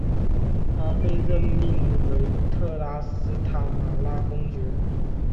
他被任命为特拉斯塔马拉公爵。